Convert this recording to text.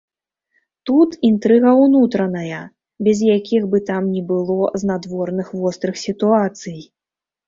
Тут інтрыга ўнутраная, без якіх бы там ні было знадворных вострых сітуацый.